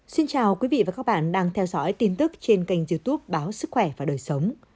xin chào quý vị và các bạn đang theo dõi tin tức trên kênh youtube báo sức khỏe và đời sống